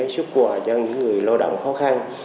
xuất quà cho những người lao động khó khăn